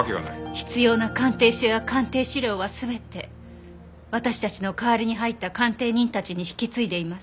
必要な鑑定書や鑑定試料は全て私たちの代わりに入った鑑定人たちに引き継いでいます。